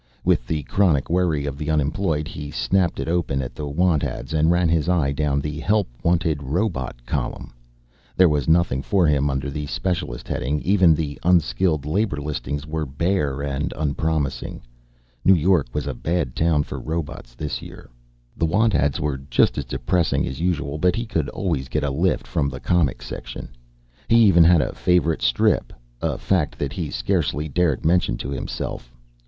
With the chronic worry of the unemployed, he snapped it open at the want ads and ran his eye down the Help Wanted Robot column. There was nothing for him under the Specialist heading, even the Unskilled Labor listings were bare and unpromising. New York was a bad town for robots this year. The want ads were just as depressing as usual but he could always get a lift from the comic section. He even had a favorite strip, a fact that he scarcely dared mention to himself.